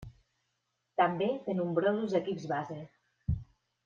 També té nombrosos equips base.